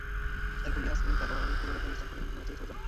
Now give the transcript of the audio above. এরপর ইয়াসমিন তাঁর বাবার বাড়ি পৌর এলাকার ইসলামপুরের নামোচরে চলে যান।